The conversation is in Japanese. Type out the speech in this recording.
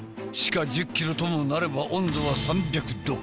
地下１０ｋｍともなれば温度は３００℃。